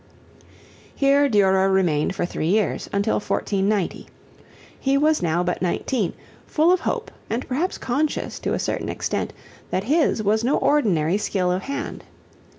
Here Durer remained for three years, until 1490. He was now but nineteen, full of hope and perhaps conscious, to a certain extent, that his was no ordinary skill of hand.